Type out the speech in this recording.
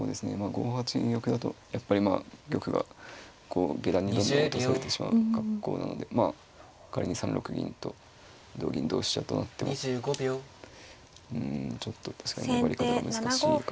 ５八に玉だとやっぱりまあ玉がこう下段にどんどん落とされてしまう格好なのでまあ仮に３六銀と同銀同飛車となってもうんちょっと確かに粘り方が難しい感じ。